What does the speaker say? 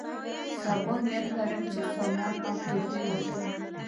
صبا نیت لرم چې سامان او تحفې واخلم.